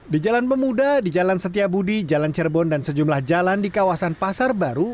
di jalan pemuda di jalan setiabudi jalan cirebon dan sejumlah jalan di kawasan pasar baru